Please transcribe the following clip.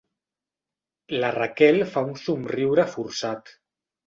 La Raquel fa un somriure forçat.